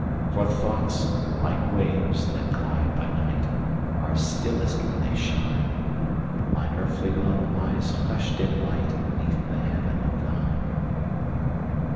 For thoughts, like waves that glide by night, Are stillest when they shine; Mine earthly love lies hush'd in lightBeneath the heaven of thine.